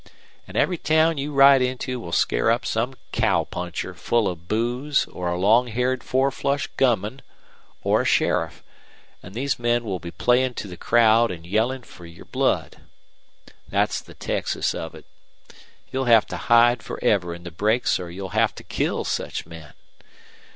An' every town you ride into will scare up some cowpuncher full of booze or a long haired four flush gunman or a sheriff an' these men will be playin' to the crowd an' yellin' for your blood. Thet's the Texas of it. You'll have to hide fer ever in the brakes or you'll have to KILL such men.